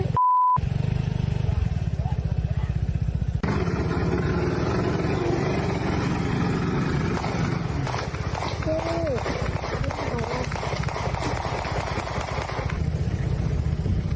โอ้โฮ